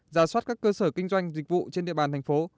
giả soát các cơ sở kinh doanh dịch vụ trên địa bàn thành phố